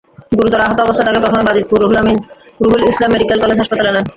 গুরুতর আহত অবস্থায় তাঁকে প্রথমে বাজিতপুরে জহুরুল ইসলাম মেডিকেল কলেজ হাসপাতালে নেন।